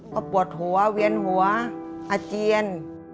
ก็ปวดหัวเวียนหัวอาเจียน